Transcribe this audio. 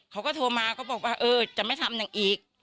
เขาก็โทรมาก็บอกว่าเออจะไม่ทำนางอีก